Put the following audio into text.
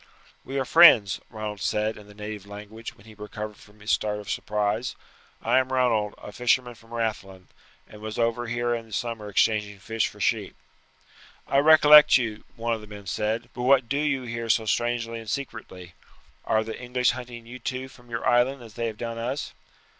"We are friends," Ronald said in the native language when he recovered from his start of surprise. "I am Ronald, a fisherman from Rathlin, and was over here in the summer exchanging fish for sheep." "I recollect you," one of the men said; "but what do you here so strangely and secretly? Are the English hunting you too from your island as they have done us?"